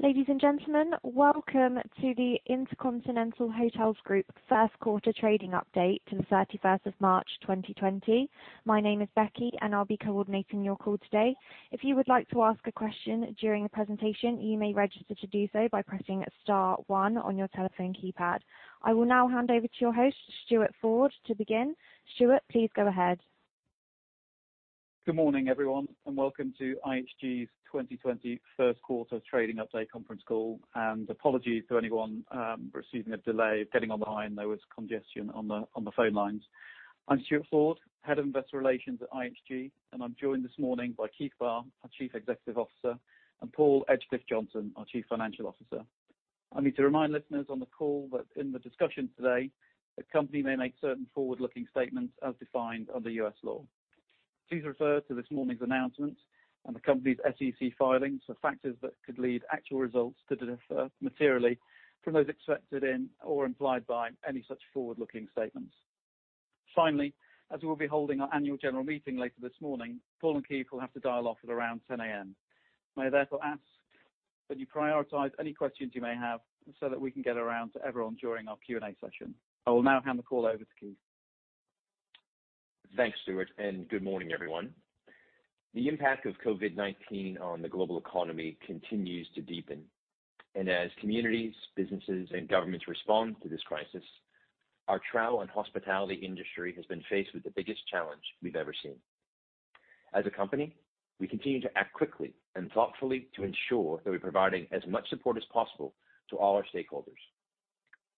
Ladies and gentlemen, welcome to the InterContinental Hotels Group first quarter trading update for the 31st of March 2020. My name is Becky and I'll be coordinating your call today. If you would like to ask a question during the presentation, you may register to do so by pressing star one on your telephone keypad. I will now hand over to your host, Stuart Ford, to begin. Stuart, please go ahead. Good morning, everyone, and welcome to IHG's 2020 first quarter trading update conference call, and apologies to anyone receiving a delay getting on the line. There was congestion on the phone lines. I'm Stuart Ford, Head of Investor Relations at IHG, and I'm joined this morning by Keith Barr, our Chief Executive Officer, and Paul Edgecliffe-Johnson, our Chief Financial Officer. I need to remind listeners on the call that in the discussion today, the company may make certain forward-looking statements as defined under U.S. law. Please refer to this morning's announcement and the company's SEC filings for factors that could lead actual results to differ materially from those expected in or implied by any such forward-looking statements. As we will be holding our annual general meeting later this morning, Paul and Keith will have to dial off at around 10:00 A.M. May I therefore ask that you prioritize any questions you may have so that we can get around to everyone during our Q&A session. I will now hand the call over to Keith. Thanks, Stuart, and good morning, everyone. The impact of COVID-19 on the global economy continues to deepen. As communities, businesses, and governments respond to this crisis, our travel and hospitality industry has been faced with the biggest challenge we've ever seen. As a company, we continue to act quickly and thoughtfully to ensure that we're providing as much support as possible to all our stakeholders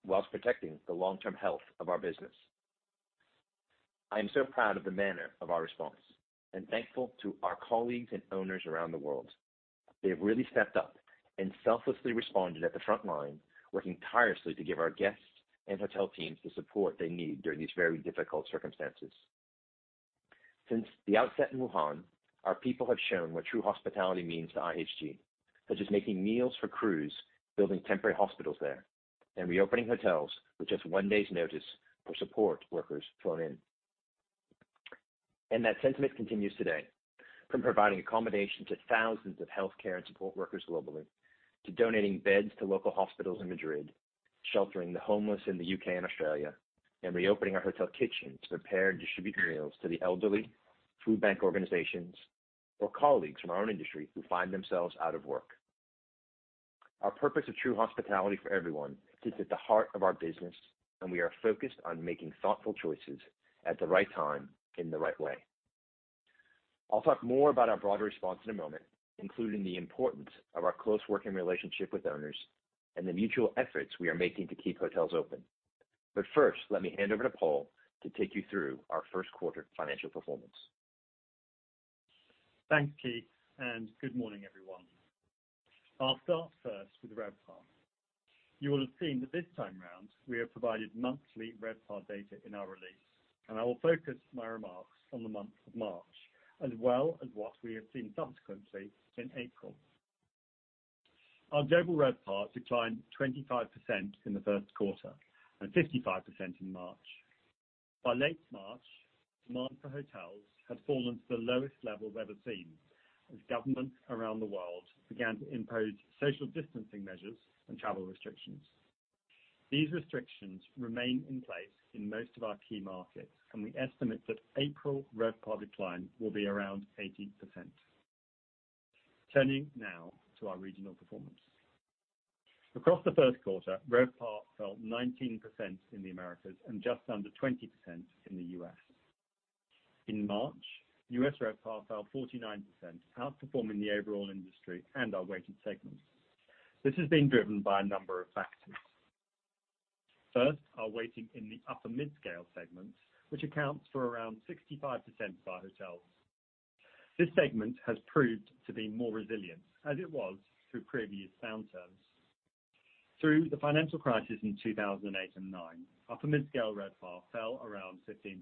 while protecting the long-term health of our business. I am so proud of the manner of our response and thankful to our colleagues and owners around the world. They have really stepped up and selflessly responded at the frontline, working tirelessly to give our guests and hotel teams the support they need during these very difficult circumstances. Since the outset in Wuhan, our people have shown what true hospitality means to IHG, such as making meals for crews, building temporary hospitals there, and reopening hotels with just one day's notice for support workers flown in. That sentiment continues today. From providing accommodation to thousands of healthcare and support workers globally, to donating beds to local hospitals in Madrid, sheltering the homeless in the U.K. and Australia, and reopening our hotel kitchens to prepare and distribute meals to the elderly, food bank organizations, or colleagues from our own industry who find themselves out of work. Our purpose of True Hospitality for Everyone sits at the heart of our business, and we are focused on making thoughtful choices at the right time, in the right way. I'll talk more about our broader response in a moment, including the importance of our close working relationship with owners and the mutual efforts we are making to keep hotels open. First, let me hand over to Paul to take you through our first quarter financial performance. Thanks, Keith. Good morning, everyone. I'll start first with RevPAR. You will have seen that this time around, we have provided monthly RevPAR data in our release, and I will focus my remarks on the month of March as well as what we have seen subsequently in April. Our global RevPAR declined 25% in the first quarter and 55% in March. By late March, demand for hotels had fallen to the lowest level we've ever seen as governments around the world began to impose social distancing measures and travel restrictions. These restrictions remain in place in most of our key markets, and we estimate that April RevPAR decline will be around 80%. Turning now to our regional performance. Across the first quarter, RevPAR fell 19% in the Americas and just under 20% in the U.S. In March, U.S. RevPAR fell 49%, outperforming the overall industry and our weighted segments. This has been driven by a number of factors. First, our weighting in the upper mid-scale segment, which accounts for around 65% of our hotels. This segment has proved to be more resilient as it was through previous downturns. Through the financial crisis in 2008 and 2009, upper mid-scale RevPAR fell around 15%,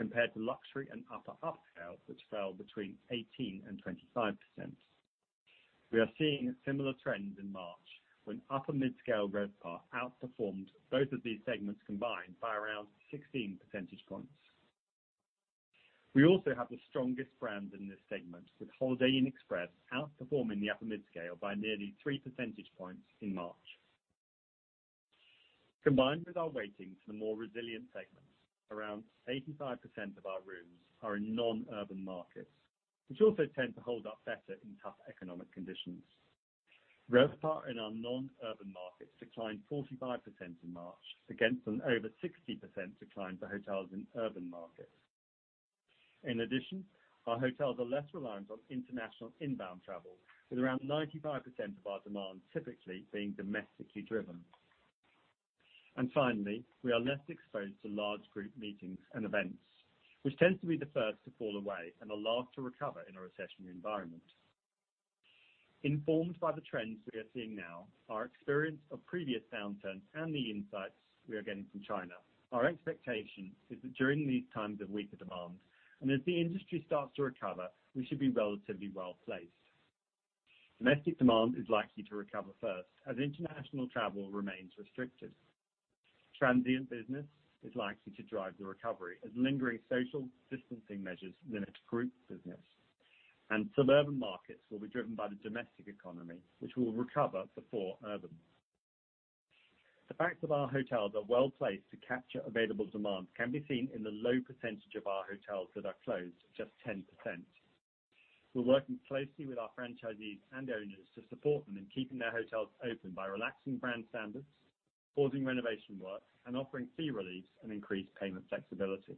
compared to luxury and upper upscale, which fell between 18% and 25%. We are seeing a similar trend in March, when upper mid-scale RevPAR outperformed both of these segments combined by around 16 percentage points. We also have the strongest brand in this segment, with Holiday Inn Express outperforming the upper mid-scale by nearly three percentage points in March. Combined with our weighting to the more resilient segments, around 85% of our rooms are in non-urban markets, which also tend to hold up better in tough economic conditions. RevPAR in our non-urban markets declined 45% in March against an over 60% decline for hotels in urban markets. In addition, our hotels are less reliant on international inbound travel, with around 95% of our demand typically being domestically driven. Finally, we are less exposed to large group meetings and events, which tend to be the first to fall away and are last to recover in a recessionary environment. Informed by the trends we are seeing now, our experience of previous downturns and the insights we are getting from China, our expectation is that during these times of weaker demand and as the industry starts to recover, we should be relatively well-placed. Domestic demand is likely to recover first as international travel remains restricted. Transient business is likely to drive the recovery as lingering social distancing measures limit group business. Suburban markets will be driven by the domestic economy, which will recover before urban. The fact that our hotels are well-placed to capture available demand can be seen in the low percentage of our hotels that are closed, just 10%. We're working closely with our franchisees and owners to support them in keeping their hotels open by relaxing brand standards, pausing renovation work, and offering fee reliefs and increased payment flexibility.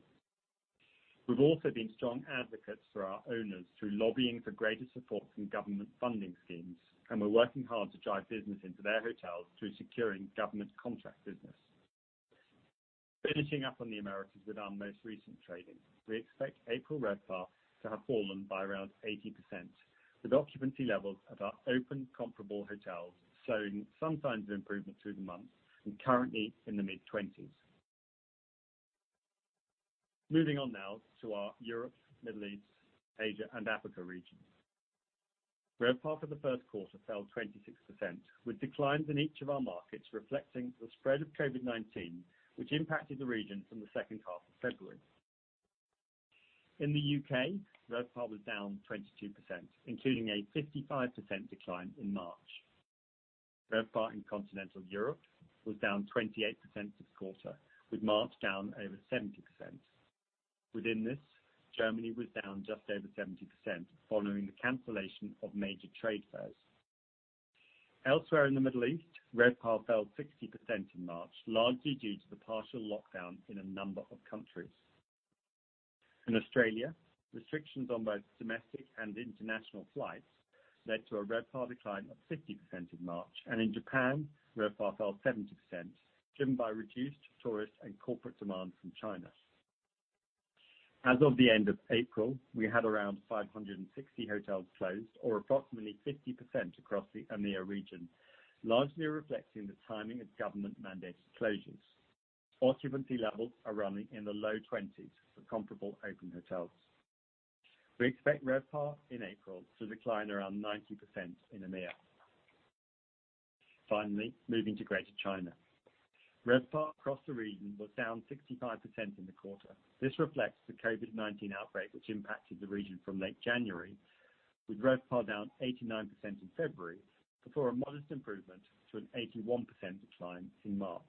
We've also been strong advocates for our owners through lobbying for greater support from government funding schemes, and we're working hard to drive business into their hotels through securing government contract business. Finishing up on the Americas with our most recent trading. We expect April RevPAR to have fallen by around 80%, with occupancy levels at our open comparable hotels showing some signs of improvement through the month and currently in the mid-20s. Moving on now to our Europe, Middle East, Asia, and Africa region. RevPAR for the first quarter fell 26%, with declines in each of our markets reflecting the spread of COVID-19, which impacted the region from the second half of February. In the U.K., RevPAR was down 22%, including a 55% decline in March. RevPAR in continental Europe was down 28% this quarter, with March down over 70%. Within this, Germany was down just over 70%, following the cancellation of major trade fairs. Elsewhere in the Middle East, RevPAR fell 60% in March, largely due to the partial lockdown in a number of countries. In Australia, restrictions on both domestic and international flights led to a RevPAR decline of 50% in March. In Japan, RevPAR fell 70%, driven by reduced tourist and corporate demand from China. As of the end of April, we had around 560 hotels closed or approximately 50% across the EMEA region, largely reflecting the timing of government-mandated closures. Occupancy levels are running in the low 20s for comparable open hotels. We expect RevPAR in April to decline around 90% in EMEA. Finally, moving to Greater China. RevPAR across the region was down 65% in the quarter. This reflects the COVID-19 outbreak, which impacted the region from late January, with RevPAR down 89% in February before a modest improvement to an 81% decline in March.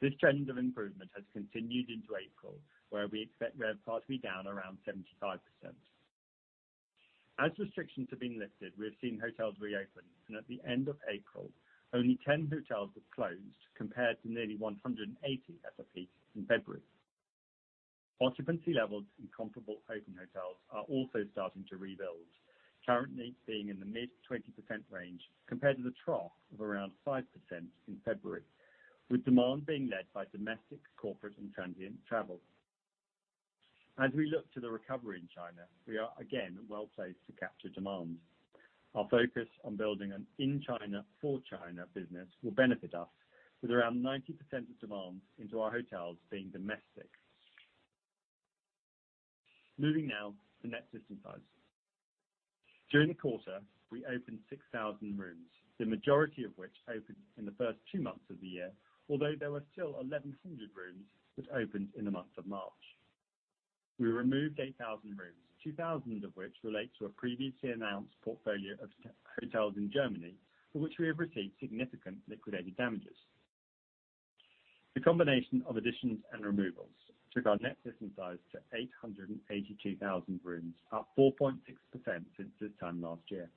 This trend of improvement has continued into April, where we expect RevPAR to be down around 75%. As restrictions have been lifted, we have seen hotels reopen, and at the end of April, only 10 hotels have closed, compared to nearly 180 at the peak in February. Occupancy levels in comparable open hotels are also starting to rebuild, currently being in the mid-20% range compared to the trough of around 5% in February, with demand being led by domestic, corporate, and transient travel. As we look to the recovery in China, we are again well-placed to capture demand. Our focus on building an in-China, for-China business will benefit us with around 90% of demand into our hotels being domestic. Moving now to net system size. During the quarter, we opened 6,000 rooms, the majority of which opened in the first two months of the year, although there were still 1,100 rooms which opened in the month of March. We removed 8,000 rooms, 2,000 of which relate to a previously announced portfolio of hotels in Germany, for which we have received significant liquidated damages. The combination of additions and removals took our net system size to 882,000 rooms, up 4.6% since this time last year.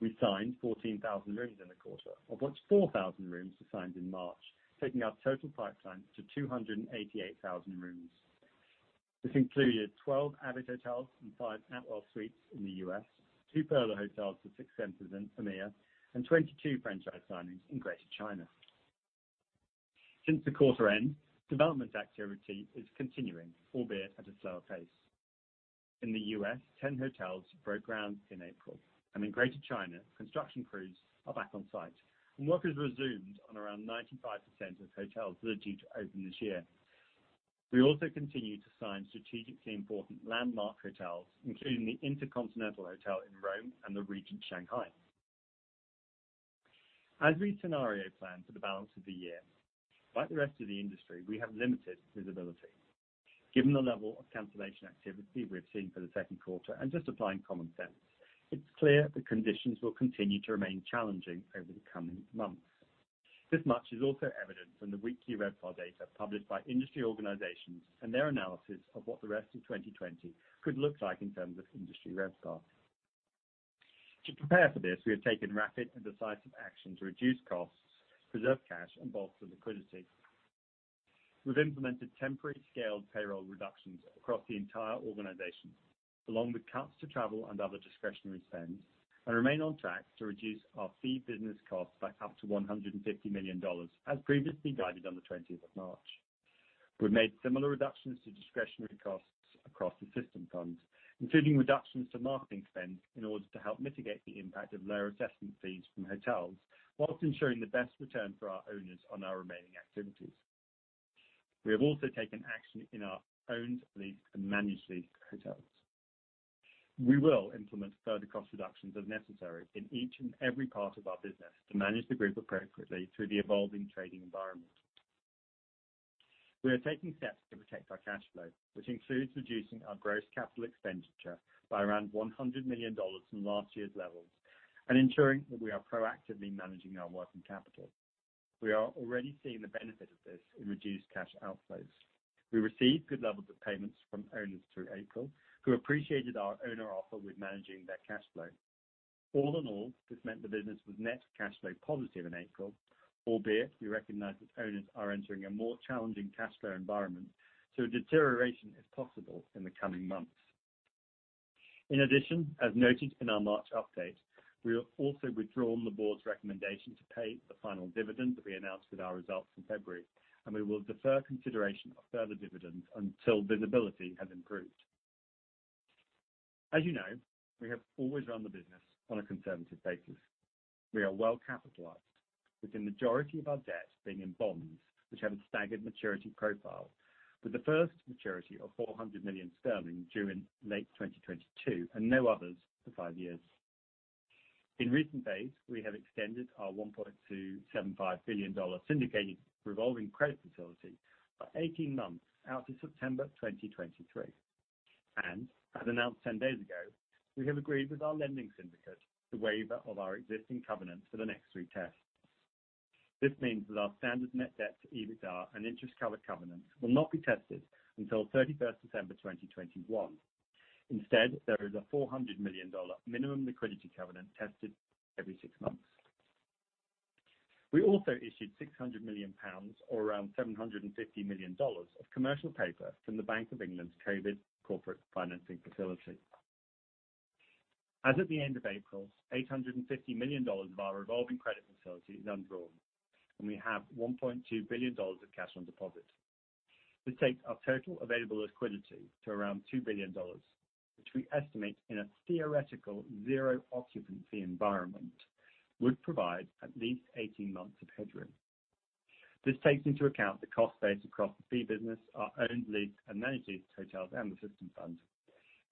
We signed 14,000 rooms in the quarter, of which 4,000 rooms were signed in March, taking our total pipeline to 288,000 rooms. This included 12 avid hotels and five Atwell Suites in the U.S., two voco hotels and six Centric in EMEA, and 22 franchise signings in Greater China. Since the quarter end, development activity is continuing, albeit at a slower pace. In the U.S., 10 hotels broke ground in April, and in Greater China, construction crews are back on site, and work has resumed on around 95% of hotels that are due to open this year. We also continue to sign strategically important landmark hotels, including the InterContinental Hotel in Rome and the Regent Shanghai. As we scenario plan for the balance of the year, like the rest of the industry, we have limited visibility. Given the level of cancellation activity we've seen for the second quarter and just applying common sense, it's clear the conditions will continue to remain challenging over the coming months. This much is also evident from the weekly RevPAR data published by industry organizations and their analysis of what the rest of 2020 could look like in terms of industry RevPAR. To prepare for this, we have taken rapid and decisive action to reduce costs, preserve cash, and bolster liquidity. We've implemented temporary scaled payroll reductions across the entire organization, along with cuts to travel and other discretionary spends, and remain on track to reduce our fee business costs by up to $150 million as previously guided on the 20th of March. We've made similar reductions to discretionary costs across the system funds, including reductions to marketing spend in order to help mitigate the impact of lower assessment fees from hotels while ensuring the best return for our owners on our remaining activities. We have also taken action in our owned, leased, and managed lease hotels. We will implement further cost reductions as necessary in each and every part of our business to manage the group appropriately through the evolving trading environment. We are taking steps to protect our cash flow, which includes reducing our gross capital expenditure by around $100 million from last year's levels and ensuring that we are proactively managing our working capital. We are already seeing the benefit of this in reduced cash outflows. We received good levels of payments from owners through April who appreciated our owner offer with managing their cash flow. All in all, this meant the business was net cash flow positive in April, albeit we recognize that owners are entering a more challenging cash flow environment, so a deterioration is possible in the coming months. In addition, as noted in our March update, we have also withdrawn the board's recommendation to pay the final dividend that we announced with our results in February, and we will defer consideration of further dividends until visibility has improved. As you know, we have always run the business on a conservative basis. We are well capitalized, with the majority of our debt being in bonds which have a staggered maturity profile, with the first maturity of 400 million sterling due in late 2022 and no others for five years. In recent days, we have extended our $1.275 billion syndicated revolving credit facility by 18 months out to September 2023. As announced 10 days ago, we have agreed with our lending syndicate the waiver of our existing covenants for the next three tests. This means that our standard net debt to EBITDA and interest cover covenants will not be tested until 31st December 2021. Instead, there is a $400 million minimum liquidity covenant tested every six months. We also issued 600 million pounds, or around $750 million of commercial paper from the Bank of England's COVID Corporate Financing Facility. As of the end of April, $850 million of our revolving credit facility is undrawn, and we have $1.2 billion of cash on deposit. This takes our total available liquidity to around $2 billion, which we estimate in a theoretical zero occupancy environment would provide at least 18 months of headroom. This takes into account the cost base across the fee business, our owned, leased, and managed leased hotels, and the system fund.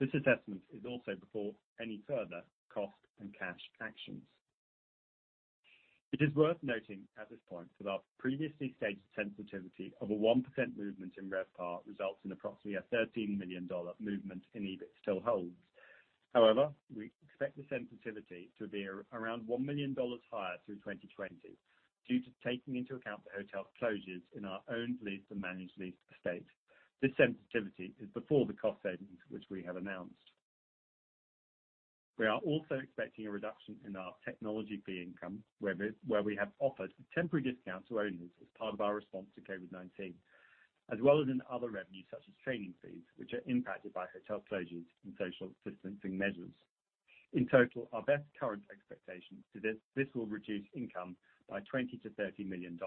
This assessment is also before any further cost and cash actions. It is worth noting at this point that our previously stated sensitivity of a 1% movement in RevPAR results in approximately a $13 million movement in EBIT still holds. However, we expect the sensitivity to be around $1 million higher through 2020 due to taking into account the hotel closures in our owned, leased, and managed leased estate. This sensitivity is before the cost savings which we have announced. We are also expecting a reduction in our technology fee income, where we have offered temporary discounts to owners as part of our response to COVID-19, as well as in other revenues such as training fees, which are impacted by hotel closures and social distancing measures. In total, our best current expectation is this will reduce income by $20 million-$30 million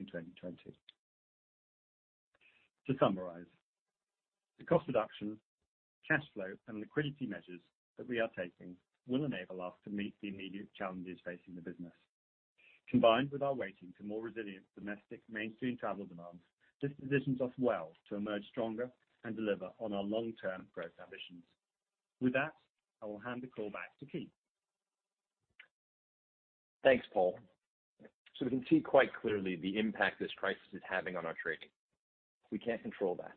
in 2020. To summarize, the cost reduction, cash flow, and liquidity measures that we are taking will enable us to meet the immediate challenges facing the business. Combined with our waiting for more resilient domestic mainstream travel demands, this positions us well to emerge stronger and deliver on our long-term growth ambitions. With that, I will hand the call back to Keith. Thanks, Paul. We can see quite clearly the impact this crisis is having on our trading. We can't control that,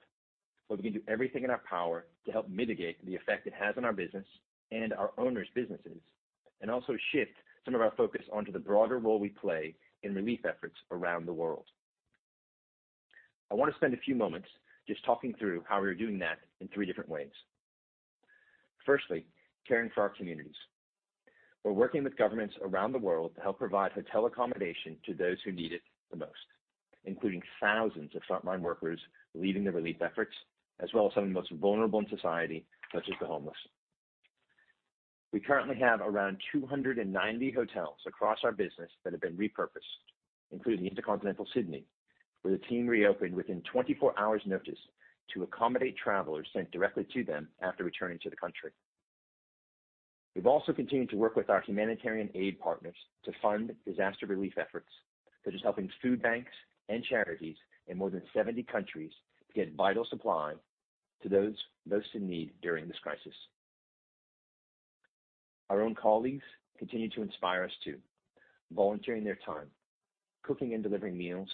but we can do everything in our power to help mitigate the effect it has on our business and our owners' businesses, and also shift some of our focus onto the broader role we play in relief efforts around the world. I want to spend a few moments just talking through how we are doing that in three different ways. Firstly, caring for our communities. We're working with governments around the world to help provide hotel accommodation to those who need it the most, including thousands of frontline workers leading the relief efforts, as well as some of the most vulnerable in society, such as the homeless. We currently have around 290 hotels across our business that have been repurposed, including the InterContinental Sydney, where the team reopened within 24 hours notice to accommodate travelers sent directly to them after returning to the country. We've also continued to work with our humanitarian aid partners to fund disaster relief efforts, such as helping food banks and charities in more than 70 countries to get vital supplies to those most in need during this crisis. Our own colleagues continue to inspire us too, volunteering their time, cooking and delivering meals,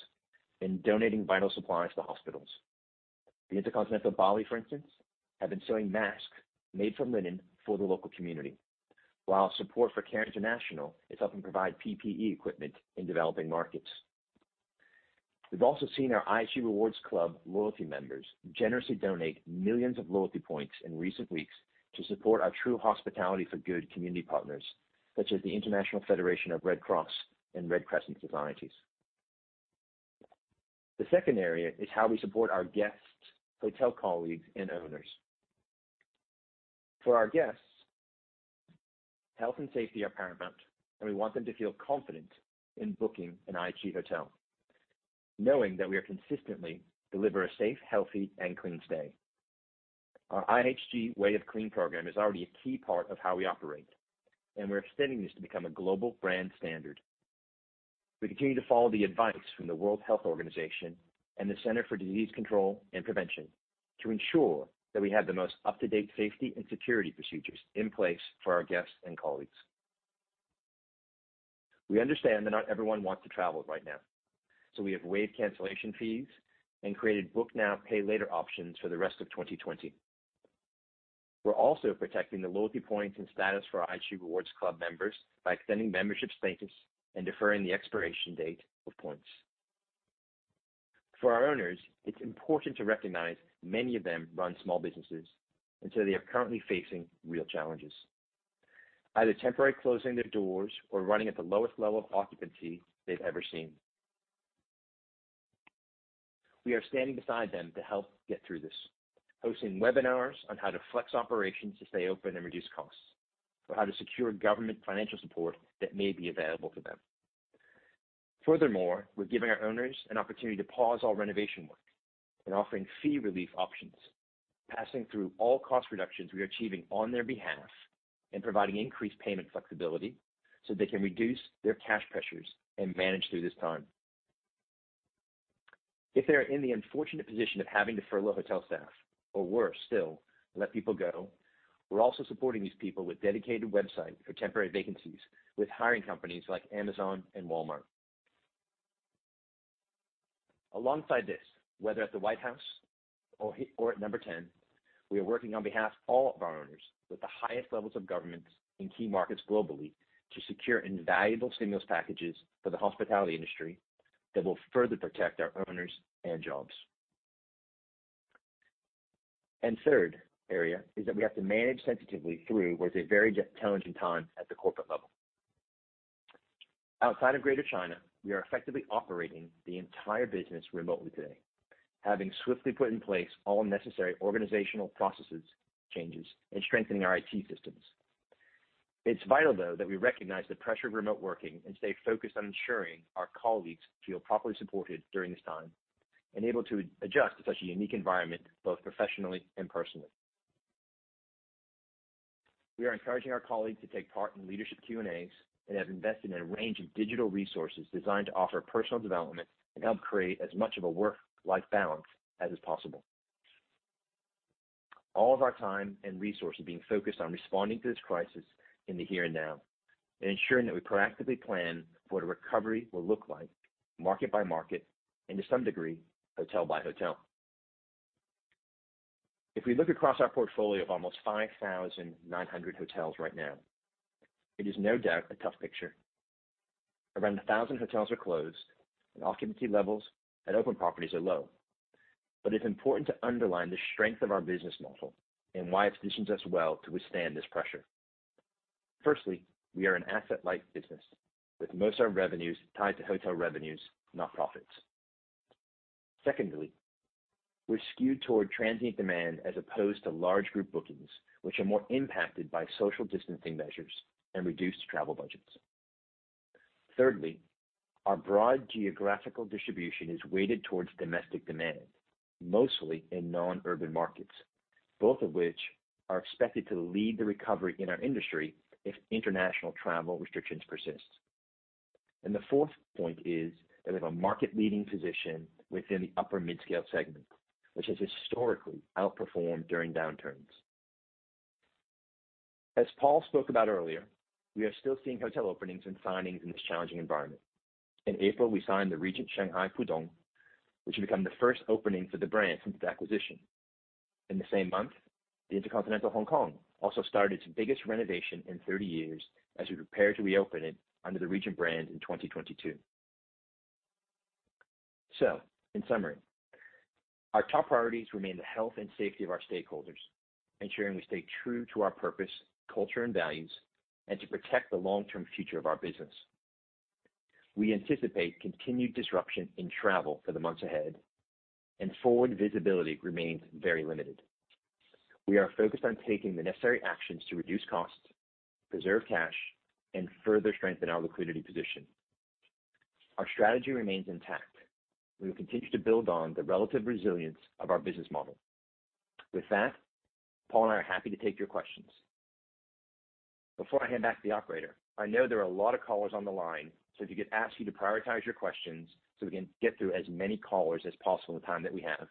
and donating vital supplies to hospitals. The InterContinental Bali, for instance, have been sewing masks made from linen for the local community. While support for CARE International is helping provide PPE equipment in developing markets. We've also seen our IHG Rewards Club loyalty members generously donate millions of loyalty points in recent weeks to support our true hospitality for good community partners, such as the International Federation of Red Cross and Red Crescent Societies. The second area is how we support our guests, hotel colleagues, and owners. For our guests, health and safety are paramount, and we want them to feel confident in booking an IHG hotel, knowing that we consistently deliver a safe, healthy, and clean stay. Our IHG Way of Clean program is already a key part of how we operate, and we're extending this to become a global brand standard. We continue to follow the advice from the World Health Organization and the Centers for Disease Control and Prevention to ensure that we have the most up-to-date safety and security procedures in place for our guests and colleagues. We understand that not everyone wants to travel right now. We have waived cancellation fees and created book now, pay later options for the rest of 2020. We are also protecting the loyalty points and status for IHG Rewards Club members by extending membership status and deferring the expiration date of points. For our owners, it's important to recognize many of them run small businesses, and so they are currently facing real challenges, either temporarily closing their doors or running at the lowest level of occupancy they've ever seen. We are standing beside them to help get through this, hosting webinars on how to flex operations to stay open and reduce costs or how to secure government financial support that may be available to them. Furthermore, we're giving our owners an opportunity to pause all renovation work and offering fee relief options, passing through all cost reductions we are achieving on their behalf and providing increased payment flexibility so they can reduce their cash pressures and manage through this time. If they are in the unfortunate position of having to furlough hotel staff, or worse still, let people go, we're also supporting these people with dedicated website for temporary vacancies with hiring companies like Amazon and Walmart. Alongside this, whether at the White House or at Number 10, we are working on behalf of all of our owners with the highest levels of governments in key markets globally to secure invaluable stimulus packages for the hospitality industry that will further protect our owners and jobs. Third area is that we have to manage sensitively through what is a very challenging time at the corporate level. Outside of Greater China, we are effectively operating the entire business remotely today, having swiftly put in place all necessary organizational processes, changes, and strengthening our IT systems. It's vital, though, that we recognize the pressure of remote working and stay focused on ensuring our colleagues feel properly supported during this time and able to adjust to such a unique environment, both professionally and personally. We are encouraging our colleagues to take part in leadership Q&As and have invested in a range of digital resources designed to offer personal development and help create as much of a work-life balance as is possible. All of our time and resources are being focused on responding to this crisis in the here and now and ensuring that we proactively plan what a recovery will look like market by market and to some degree, hotel by hotel. If we look across our portfolio of almost 5,900 hotels right now, it is no doubt a tough picture. Around 1,000 hotels are closed, and occupancy levels at open properties are low. It's important to underline the strength of our business model and why it positions us well to withstand this pressure. Firstly, we are an asset-light business with most of our revenues tied to hotel revenues, not profits. Secondly, we're skewed toward transient demand as opposed to large group bookings, which are more impacted by social distancing measures and reduced travel budgets. Thirdly, our broad geographical distribution is weighted towards domestic demand, mostly in non-urban markets, both of which are expected to lead the recovery in our industry if international travel restrictions persist. The fourth point is that we have a market-leading position within the upper midscale segment, which has historically outperformed during downturns. As Paul spoke about earlier, we are still seeing hotel openings and signings in this challenging environment. In April, we signed the Regent Shanghai Pudong, which will become the first opening for the brand since its acquisition. In the same month, the InterContinental Hong Kong also started its biggest renovation in 30 years as we prepare to reopen it under the Regent brand in 2022. In summary, our top priorities remain the health and safety of our stakeholders, ensuring we stay true to our purpose, culture, and values, and to protect the long-term future of our business. We anticipate continued disruption in travel for the months ahead, and forward visibility remains very limited. We are focused on taking the necessary actions to reduce costs, preserve cash, and further strengthen our liquidity position. Our strategy remains intact. We will continue to build on the relative resilience of our business model. With that, Paul and I are happy to take your questions. Before I hand back to the operator, I know there are a lot of callers on the line, so if we could ask you to prioritize your questions so we can get through as many callers as possible in the time that we have.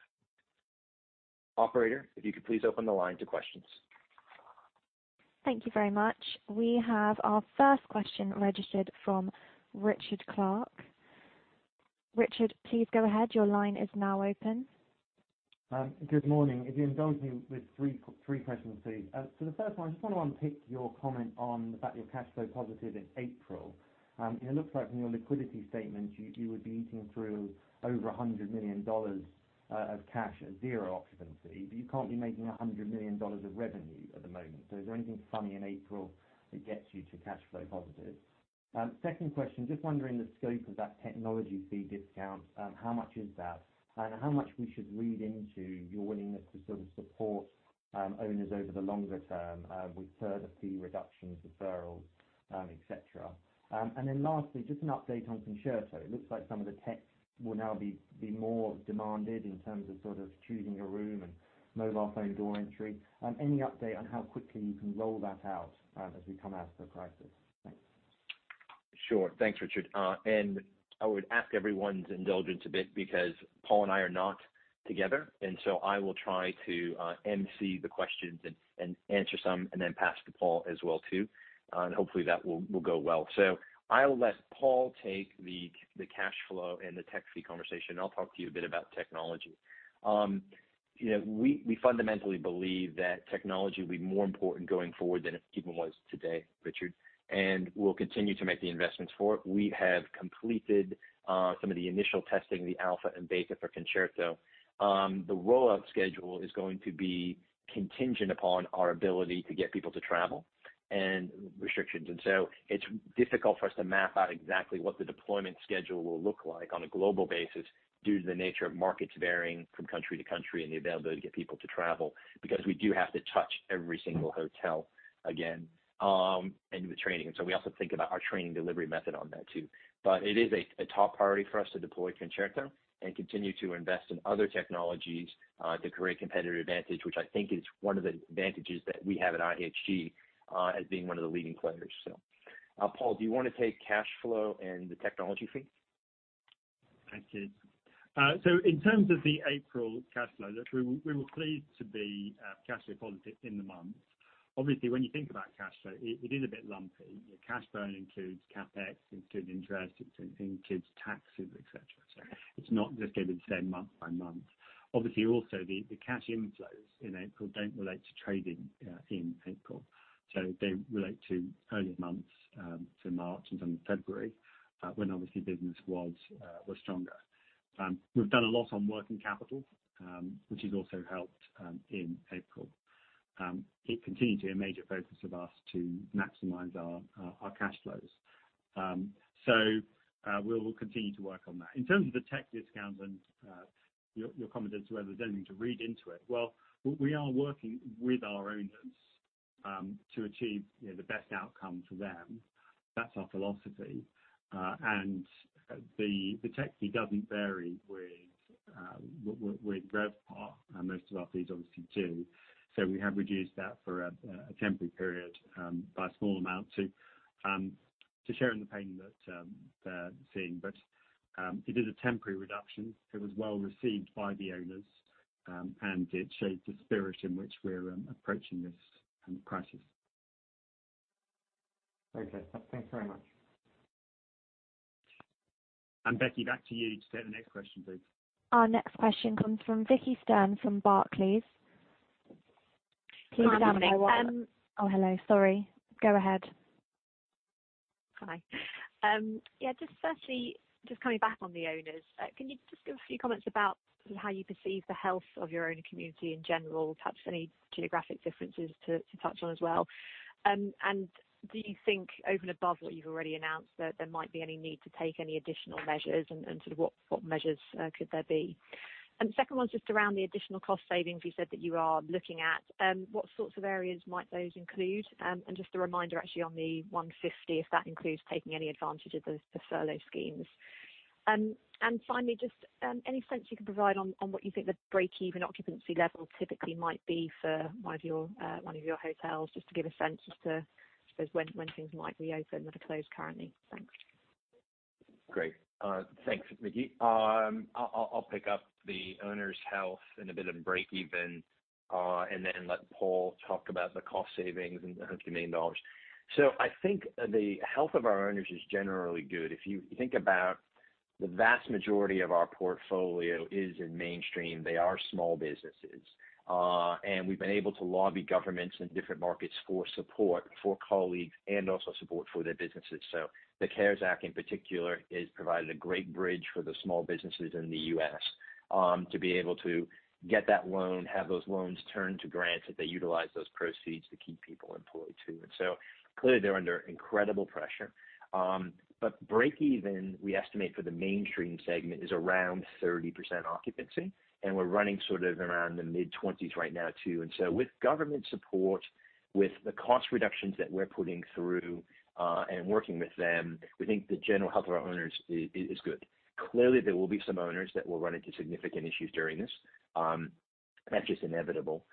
Operator, if you could please open the line to questions. Thank you very much. We have our first question registered from Richard Clarke. Richard, please go ahead. Your line is now open. Good morning. If you indulge me with three questions, please. The first one, I just want to unpick your comment on about your cash flow positive in April. It looks like from your liquidity statement, you would be eating through over $100 million of cash at zero occupancy, but you can't be making $100 million of revenue at the moment. Is there anything funny in April that gets you to cash flow positive? Second question, just wondering the scope of that technology fee discount. How much is that? How much we should read into your willingness to sort of support owners over the longer term with further fee reductions, referrals, et cetera. Lastly, just an update on Concerto. It looks like some of the tech will now be more demanded in terms of sort of choosing a room and mobile phone door entry. Any update on how quickly you can roll that out as we come out of the crisis? Thanks. Sure. Thanks, Richard. I would ask everyone's indulgence a bit because Paul and I are not together, and so I will try to emcee the questions and answer some and then pass to Paul as well too. Hopefully, that will go well. I'll let Paul take the cash flow and the tech fee conversation, and I'll talk to you a bit about technology. We fundamentally believe that technology will be more important going forward than it even was today, Richard, and we'll continue to make the investments for it. We have completed some of the initial testing, the alpha and beta for Concerto. The rollout schedule is going to be contingent upon our ability to get people to travel and restrictions. It's difficult for us to map out exactly what the deployment schedule will look like on a global basis due to the nature of markets varying from country to country and the availability to get people to travel, because we do have to touch every single hotel again and do the training. We also think about our training delivery method on that too. It is a top priority for us to deploy Concerto and continue to invest in other technologies to create competitive advantage, which I think is one of the advantages that we have at IHG as being one of the leading players. Paul, do you want to take cash flow and the technology fee? Thank you. In terms of the April cash flow, look, we were pleased to be cash flow positive in the month. Obviously, when you think about cash flow, it is a bit lumpy. Cash burn includes CapEx, includes interest, includes taxes, et cetera. It's not just going to be the same month by month. Obviously, also the cash inflows in April don't relate to trading in April. They relate to earlier months, so March and February, when obviously business was stronger. We've done a lot on working capital, which has also helped in April. It continued to be a major focus of us to maximize our cash flows. We'll continue to work on that. In terms of the tech discounts and your comment as to whether there's anything to read into it. We are working with our owners to achieve the best outcome for them. The tech fee doesn't vary with RevPAR, most of our fees obviously do. We have reduced that for a temporary period by a small amount to share in the pain that they're seeing. It is a temporary reduction. It was well-received by the owners, and it shows the spirit in which we're approaching this crisis. Okay. Thanks very much. Becky, back to you to set the next question, please. Our next question comes from Vicki Stern from Barclays. Please go ahead. Hi. Yeah, just firstly, just coming back on the owners, can you just give a few comments about how you perceive the health of your owner community in general, perhaps any geographic differences to touch on as well? Do you think over and above what you've already announced, that there might be any need to take any additional measures, and sort of what measures could there be? The second one's just around the additional cost savings you said that you are looking at. What sorts of areas might those include? Just a reminder, actually, on the 150, if that includes taking any advantage of the furlough schemes. Finally, just any sense you can provide on what you think the break-even occupancy level typically might be for one of your hotels, just to give a sense as to when things might reopen that are closed currently. Thanks. Great. Thanks, Vicki. I'll pick up the owner's health and a bit of break even, and then let Paul talk about the cost savings and the $100 million. I think the health of our owners is generally good. If you think about the vast majority of our portfolio is in mainstream. They are small businesses. We've been able to lobby governments in different markets for support for colleagues and also support for their businesses. The CARES Act, in particular, has provided a great bridge for the small businesses in the U.S. to be able to get that loan, have those loans turned to grants, that they utilize those proceeds to keep people employed too. Clearly, they're under incredible pressure. Break even, we estimate for the mainstream segment, is around 30% occupancy, and we're running sort of around the mid-20s right now too. With government support, with the cost reductions that we're putting through, and working with them, we think the general health of our owners is good. Clearly, there will be some owners that will run into significant issues during this. That's just inevitable.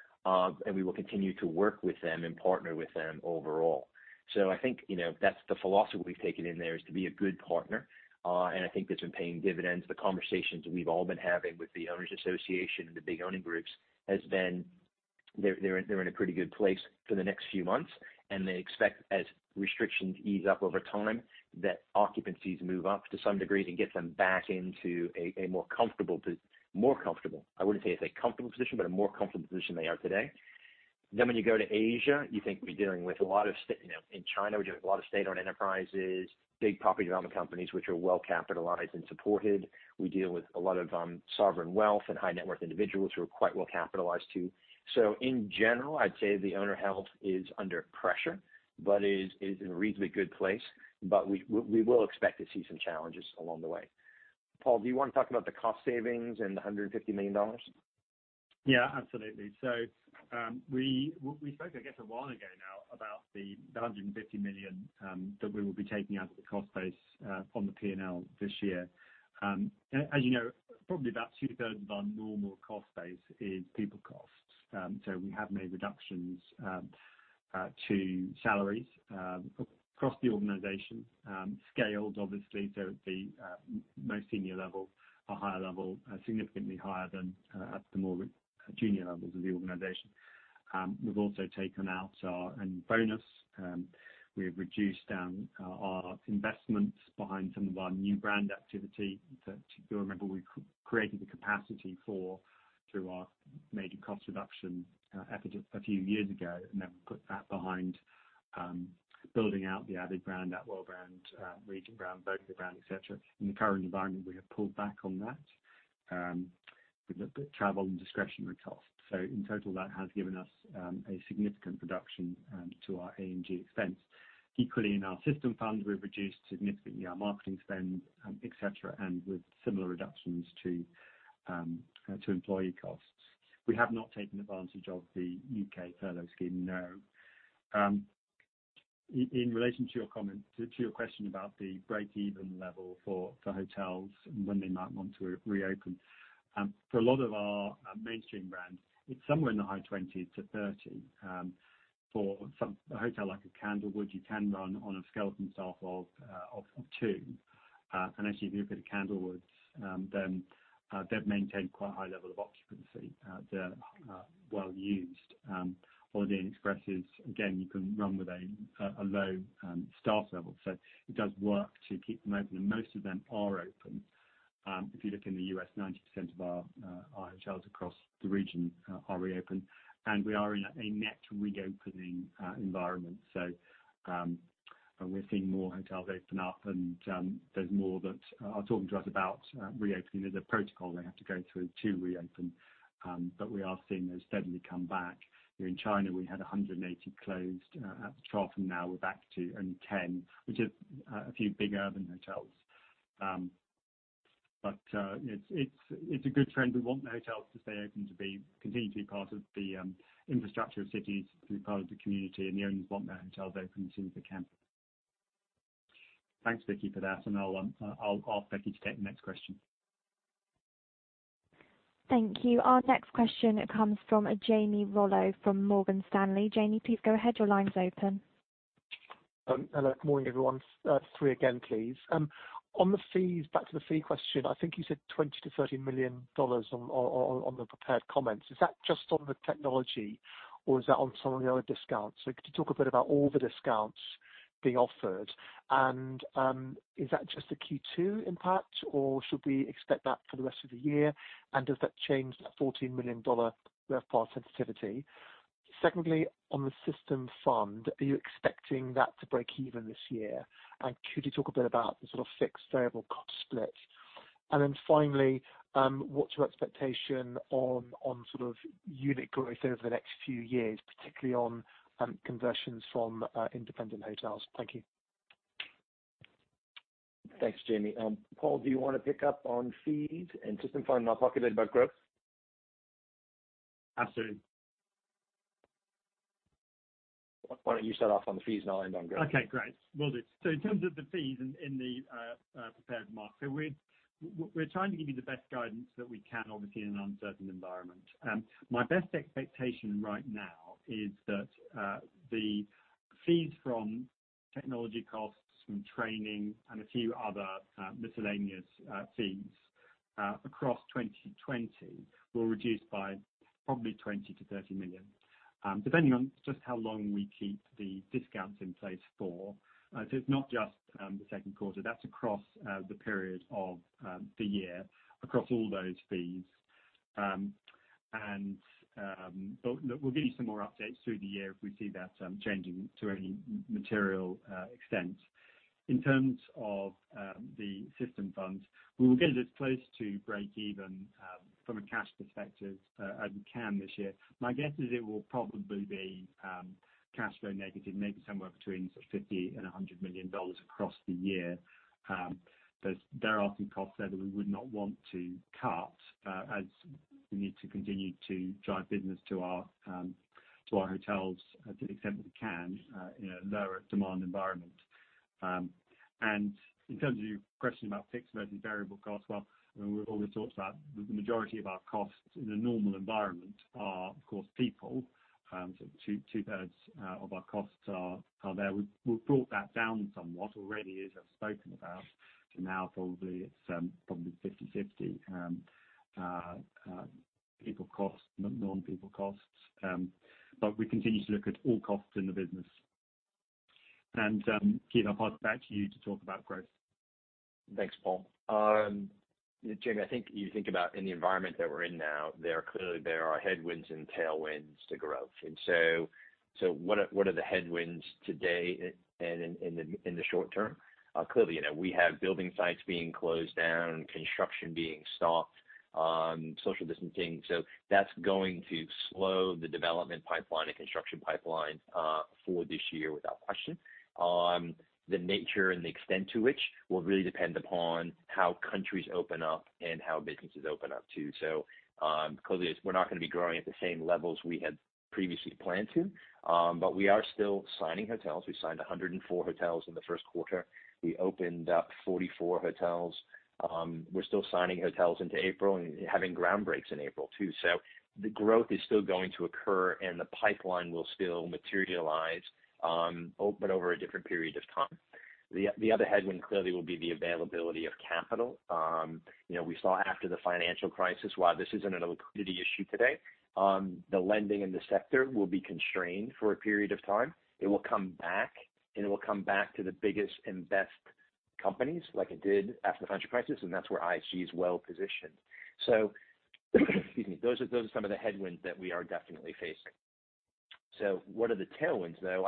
We will continue to work with them and partner with them overall. I think that's the philosophy we've taken in there is to be a good partner. I think that's been paying dividends. The conversations we've all been having with the owners association and the big owning groups has been they're in a pretty good place for the next few months, and they expect, as restrictions ease up over time, that occupancies move up to some degree and get them back into a more comfortable position. I wouldn't say it's a comfortable position, but a more comfortable position they are today. When you go to Asia, in China, we're dealing with a lot of state-owned enterprises, big property development companies, which are well-capitalized and supported. We deal with a lot of sovereign wealth and high-net-worth individuals who are quite well capitalized too. In general, I'd say the owner health is under pressure, but is in a reasonably good place. We will expect to see some challenges along the way. Paul, do you want to talk about the cost savings and the $150 million? Absolutely. We spoke, I guess, a while ago now about the $150 million that we will be taking out of the cost base from the P&L this year. As you know, probably about two-thirds of our normal cost base is people costs. We have made reductions to salaries across the organization. Scaled, obviously, at the most senior level or higher level, significantly higher than at the more junior levels of the organization. We've also taken out our annual bonus. We've reduced our investments behind some of our new brand activity that you'll remember we created the capacity for through our major cost reduction a few years ago, put that behind building out the avid brand, voco brand, Regent brand, Virgo brand, et cetera. In the current environment, we have pulled back on that. We've looked at travel and discretionary costs. In total, that has given us a significant reduction to our A&G expense. Equally, in our system fund, we've reduced significantly our marketing spend, et cetera, and with similar reductions to employee costs. We have not taken advantage of the U.K. furlough scheme, no. In relation to your question about the break-even level for hotels and when they might want to reopen. For a lot of our mainstream brands, it's somewhere in the high 20s-30. For a hotel like a Candlewood, you can run on a skeleton staff of two. Actually, if you look at Candlewoods, they've maintained quite a high level of occupancy. They're well-used. Holiday Inn Express is, again, you can run with a low staff level, so it does work to keep them open, and most of them are open. If you look in the U.S., 90% of our hotels across the region are reopened. We are in a net reopening environment. We're seeing more hotels open up. There's more that are talking to us about reopening. There's a protocol they have to go through to reopen. We are seeing those steadily come back. In China, we had 180 closed at the trough. Now we're back to only 10, which is a few big urban hotels. It's a good trend. We want the hotels to stay open to continue to be part of the infrastructure of cities, to be part of the community. The owners want their hotels open as soon as they can. Thanks, Vicki, for that. I'll ask Becky to take the next question. Thank you. Our next question comes from Jamie Rollo from Morgan Stanley. Jamie, please go ahead. Your line's open. Hello. Good morning, everyone. Three again, please. On the fees, back to the fee question. I think you said $20 million-$30 million on the prepared comments. Is that just on the technology or is that on some of the other discounts? Could you talk a bit about all the discounts being offered, and is that just a Q2 impact or should we expect that for the rest of the year? Does that change the $14 million RevPAR sensitivity? Secondly, on the system fund, are you expecting that to break even this year? Could you talk a bit about the sort of fixed variable cost split? Finally, what's your expectation on unit growth over the next few years, particularly on conversions from independent hotels? Thank you. Thanks, Jamie. Paul, do you want to pick up on fees and system fund, and I'll talk a bit about growth? Absolutely. Why don't you start off on the fees and I'll end on growth? Okay, great. Will do. In terms of the fees in the prepared remarks, we're trying to give you the best guidance that we can, obviously, in an uncertain environment. My best expectation right now is that the fees from technology costs, from training, and a few other miscellaneous fees across 2020 will reduce by probably $20 million-$30 million, depending on just how long we keep the discounts in place for. It's not just the second quarter, that's across the period of the year, across all those fees. We'll give you some more updates through the year if we see that changing to any material extent. In terms of the system funds, we will get it as close to break even from a cash perspective as we can this year. My guess is it will probably be cash flow negative, maybe somewhere between $50 million and $100 million across the year. There are some costs there that we would not want to cut as we need to continue to drive business to our hotels to the extent that we can in a lower demand environment. In terms of your question about fixed versus variable costs, well, we've always talked about the majority of our costs in a normal environment are, of course, people. Two-thirds of our costs are there. We've brought that down somewhat already, as I've spoken about. Now probably it's probably 50/50 people cost, non-people costs. We continue to look at all costs in the business. Keith, I'll pass it back to you to talk about growth. Thanks, Paul. Jamie, I think you think about in the environment that we're in now, clearly there are headwinds and tailwinds to growth. What are the headwinds today and in the short term? We have building sites being closed down, construction being stopped, social distancing. That's going to slow the development pipeline and construction pipeline for this year, without question. The nature and the extent to which will really depend upon how countries open up and how businesses open up, too. We're not going to be growing at the same levels we had previously planned to, but we are still signing hotels. We signed 104 hotels in the first quarter. We opened up 44 hotels. We're still signing hotels into April and having ground breaks in April, too. The growth is still going to occur, and the pipeline will still materialize, but over a different period of time. The other headwind clearly will be the availability of capital. We saw after the financial crisis, while this isn't a liquidity issue today, the lending in the sector will be constrained for a period of time. It will come back, and it will come back to the biggest and best companies like it did after the financial crisis, and that's where IHG is well-positioned. Excuse me. Those are some of the headwinds that we are definitely facing. What are the tailwinds, though?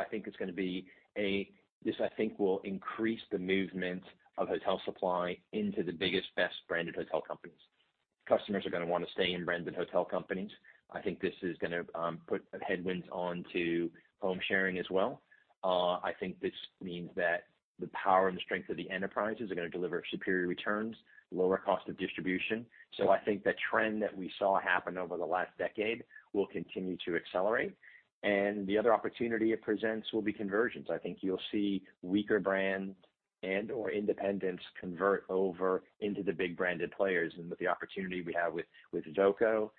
This, I think, will increase the movement of hotel supply into the biggest, best-branded hotel companies. Customers are going to want to stay in branded hotel companies. I think this is going to put headwinds onto home sharing as well. I think this means that the power and the strength of the enterprises are going to deliver superior returns, lower cost of distribution. I think the trend that we saw happen over the last decade will continue to accelerate, and the other opportunity it presents will be conversions. I think you'll see weaker brands and/or independents convert over into the big branded players, and with the opportunity we have with Kimpton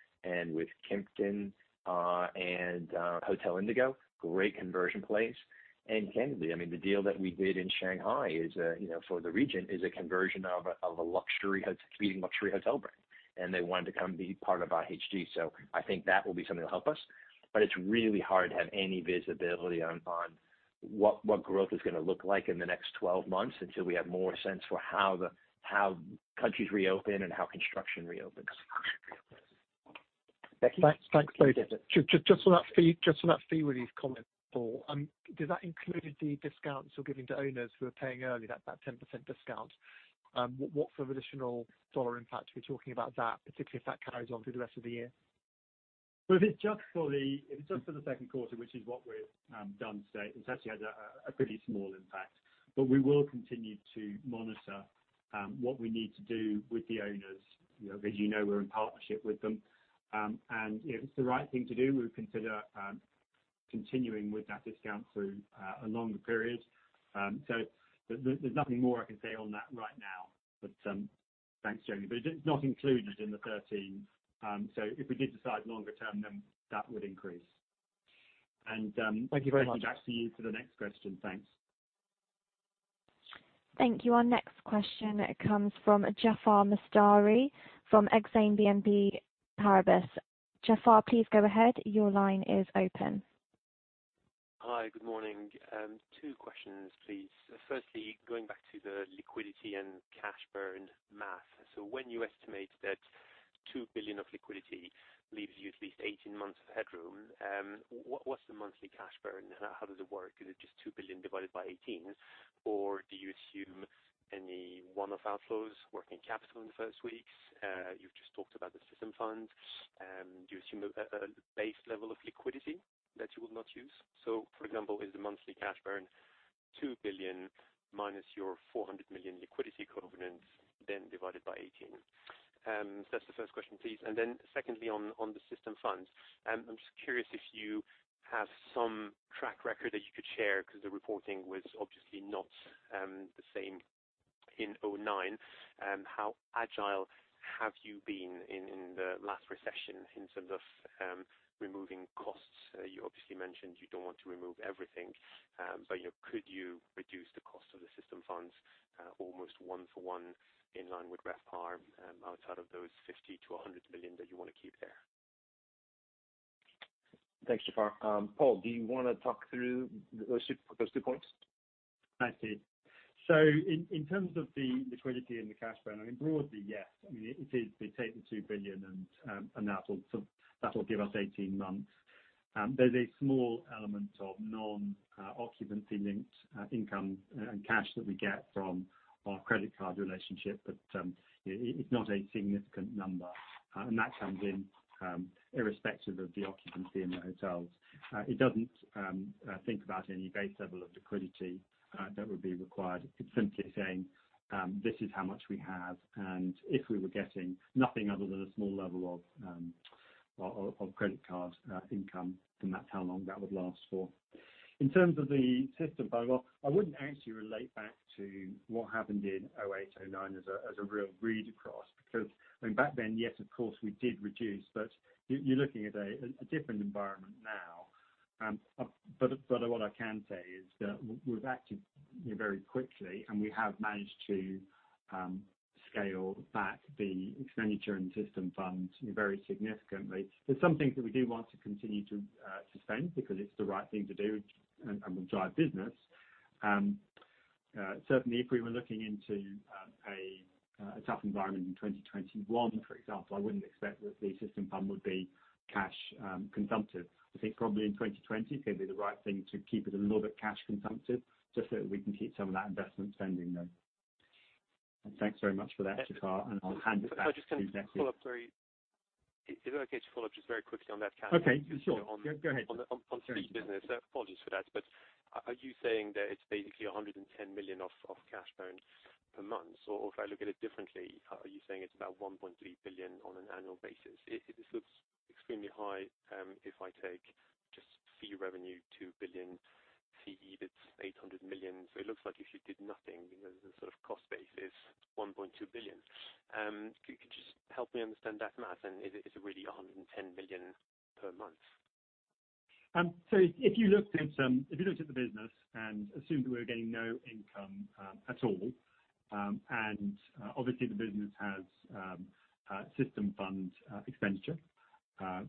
and Hotel Indigo, great conversion plays. Candlewood. The deal that we did in Shanghai for the Regent is a conversion of a leading luxury hotel brand, and they wanted to come be part of IHG. I think that will be something that will help us, but it is really hard to have any visibility on what growth is going to look like in the next 12 months until we have more sense for how countries reopen and how construction reopens. Becky? Thanks, David. Just on that fee relief comment, Paul, does that include the discounts you're giving to owners who are paying early, that 10% discount? What sort of additional dollar impact are we talking about that, particularly if that carries on through the rest of the year? Well, if it's just for the second quarter, which is what we've done today, it's actually had a pretty small impact. We will continue to monitor what we need to do with the owners. As you know, we're in partnership with them. If it's the right thing to do, we would consider continuing with that discount through a longer period. There's nothing more I can say on that right now, but thanks, Jamie. It's not included in the 13. If we did decide longer term, then that would increase. Thank you very much. Back to you for the next question. Thanks. Thank you. Our next question comes from Jaafar Mestari from Exane BNP Paribas. Jaafar, please go ahead. Your line is open. Hi. Good morning. Two questions, please. Firstly, going back to the liquidity and cash burn math. When you estimate that $2 billion of liquidity leaves you at least 18 months of headroom, what's the monthly cash burn? How does it work? Is it just $2 billion divided by 18? Do you assume any one-off outflows, working capital in the first weeks? You've just talked about the system funds. Do you assume a base level of liquidity that you will not use? For example, is the monthly cash burn $2 billion minus your $400 million liquidity covenants, then divided by 18? That's the first question, please. Secondly, on the system funds, I'm just curious if you have some track record that you could share because the reporting was obviously not the same in 2009. How agile have you been in the last recession in terms of removing costs? You obviously mentioned you don't want to remove everything, but could you reduce the cost of the system funds almost one for one in line with RevPAR outside of those $50 million-$100 million that you want to keep there? Thanks, Jaafar. Paul, do you want to talk through those two points? I see. In terms of the liquidity and the cash burn, I mean, broadly, yes. I mean, if we take the $2 billion and that'll give us 18 months. There's a small element of non-occupancy linked income and cash that we get from our credit card relationship, but it's not a significant number. That comes in irrespective of the occupancy in the hotels. It doesn't think about any base level of liquidity that would be required. It's simply saying, "This is how much we have, and if we were getting nothing other than a small level of credit card income, then that's how long that would last for." In terms of the system, by the way, I wouldn't actually relate back to what happened in 2008, 2009 as a real read across, because back then, yes, of course, we did reduce. You're looking at a different environment now. What I can say is that we've acted very quickly, and we have managed to scale back the expenditure and system funds very significantly. There's some things that we do want to continue to sustain because it's the right thing to do and will drive business. Certainly, if we were looking into a tough environment in 2021, for example, I wouldn't expect that the system fund would be cash consumptive. I think probably in 2020, it'd be the right thing to keep it a little bit cash consumptive, just so that we can keep some of that investment spending then. Thanks very much for that, Jaafar. I'll hand it back to Becky. Is it okay to follow up just very quickly on that, Catherine? Okay, sure. Go ahead. On fee business. Apologies for that, are you saying that it's basically $110 million of cash burn per month? If I look at it differently, are you saying it's about $1.3 billion on an annual basis? It looks extremely high if I take just fee revenue, $2 billion, fee, that's $800 million. It looks like if you did nothing because the sort of cost base is $1.2 billion. Could you just help me understand that math, and is it really $110 million per month? If you looked at the business and assumed we were getting no income at all, and obviously the business has system fund expenditure.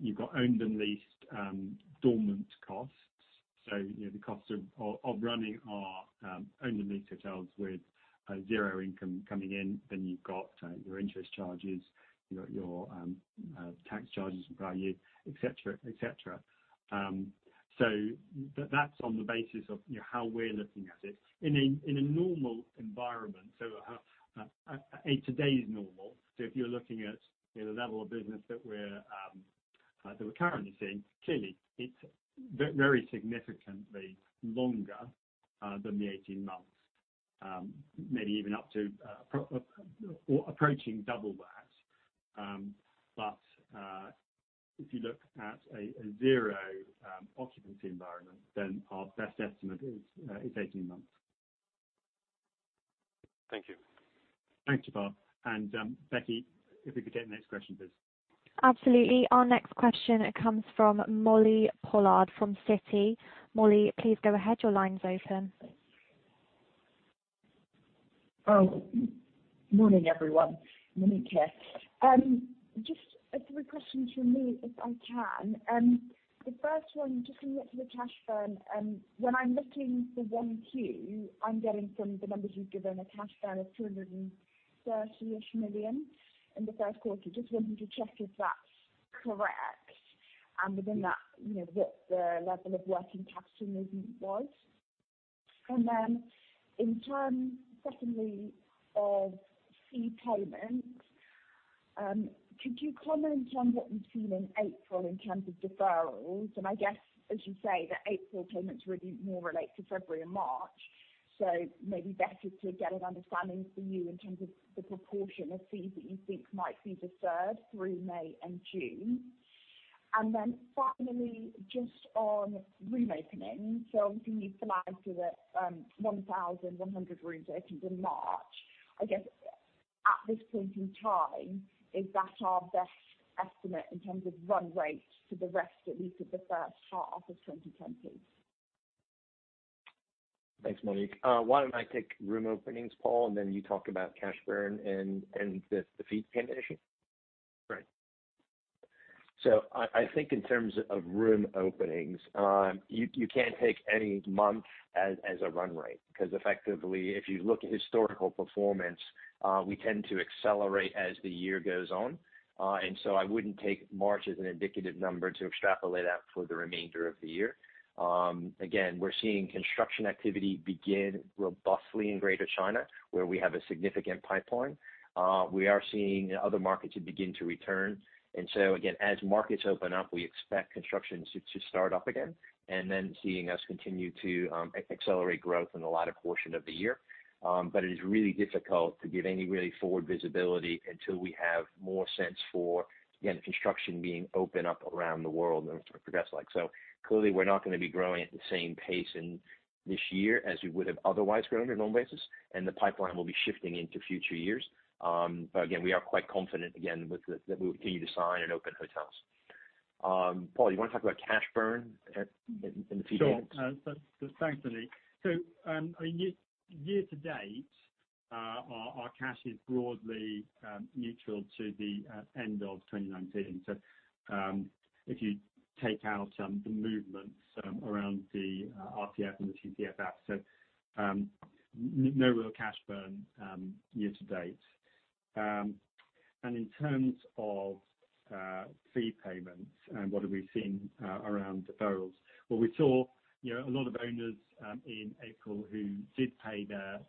You've got owned and leased dormant costs. The costs of running our owned and leased hotels with zero income coming in. You've got your interest charges, your tax charges, value, et cetera. That's on the basis of how we're looking at it. In a normal environment, in today's normal, if you're looking at the level of business that we're currently seeing, clearly it's very significantly longer than the 18 months, maybe even up to or approaching double that. If you look at a zero occupancy environment, our best estimate is 18 months. Thank you. Thank you, Jaafar. Becky, if we could take the next question, please. Absolutely. Our next question comes from Monique Pollard from Citi. Monique, please go ahead. Your line's open. Morning, everyone. Monique here. Just three questions from me, if I can. The first one, just on the cash burn. When I'm looking for 1Q, I'm getting from the numbers you've given a cash burn of $230 million in the first quarter. Just wanting to check if that's correct. Within that, what the level of working capital movement was. In terms, secondly, of fee payments, could you comment on what you've seen in April in terms of deferrals? I guess, as you say, the April payments really more relate to February and March. Maybe better to get an understanding for you in terms of the proportion of fees that you think might be deferred through May and June. Finally, just on room openings. Obviously, you flagged that 1,100 rooms opened in March. I guess at this point in time, is that our best estimate in terms of run rate for the rest, at least of the first half of 2020? Thanks, Monique. Why don't I take room openings, Paul, and then you talk about cash burn and the fee payment issue? Great. I think in terms of room openings, you can't take any month as a run rate, because effectively, if you look at historical performance, we tend to accelerate as the year goes on. I wouldn't take March as an indicative number to extrapolate out for the remainder of the year. Again, we're seeing construction activity begin robustly in Greater China, where we have a significant pipeline. We are seeing other markets begin to return. Again, as markets open up, we expect construction to start up again, and then seeing us continue to accelerate growth in the latter portion of the year. It is really difficult to give any really forward visibility until we have more sense for, again, construction being open up around the world and what that's like. Clearly, we're not going to be growing at the same pace in this year as we would have otherwise grown on a normal basis, and the pipeline will be shifting into future years. Again, we are quite confident again that we will continue to sign and open hotels. Paul, you want to talk about cash burn in the future? Thanks, Monique. Year-to-date, our cash is broadly neutral to the end of 2019. If you take out the movements around the RCF and the CCFF, no real cash burn year-to-date. In terms of fee payments and what have we seen around deferrals, well, we saw a lot of owners in April who did pay their